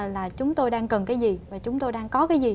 là chúng tôi đang cần cái gì và chúng tôi đang có cái gì